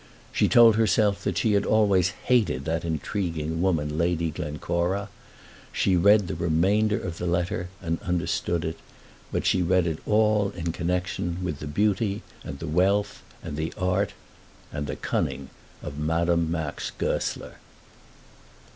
She told herself that she had always hated that intriguing woman, Lady Glencora. She read the remainder of the letter and understood it; but she read it all in connection with the beauty, and the wealth, and the art, and the cunning of Madame Max Goesler.